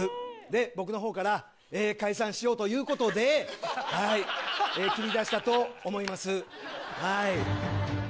僕のほうから解散しようということで切り出したと思います。